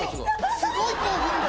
すごい興奮度！